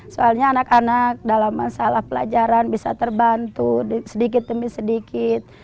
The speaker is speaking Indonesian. soalnya anak anak dalam masalah pelajaran bisa terbantu sedikit demi sedikit